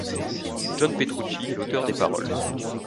John Petrucci est l'auteur des paroles.